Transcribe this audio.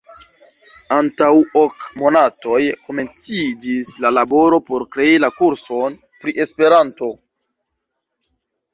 Antaŭ ok monatoj komenciĝis la laboro por krei la kurson pri Esperanto.